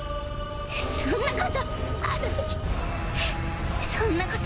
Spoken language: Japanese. そんなことあるわけそんなこと。